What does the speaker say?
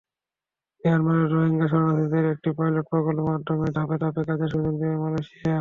মিয়ানমারের রোহিঙ্গা শরণার্থীদের একটি পাইলট প্রকল্পের মাধ্যমে ধাপে ধাপে কাজের সুযোগ দেবে মালয়েশিয়া।